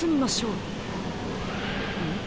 うん？